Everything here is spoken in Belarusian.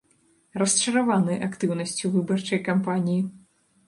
Расчараваны актыўнасцю выбарчай кампаніі.